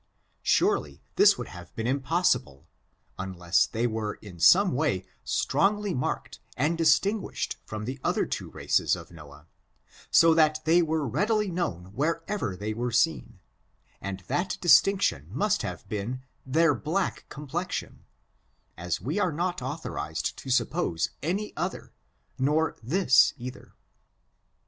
Surely this would have been im possible, unless they were in some way strongly marked and distinguished from the other two races of Noah, so that they were readily known wherever they were seen, and that distinction must have been their black complexion, as we are not authorized to suppose any other, nor this either.